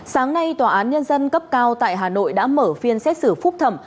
sáng nay tòa án nhân dân cấp cao tại hà nội đã mở phiên xét xử phúc thẩm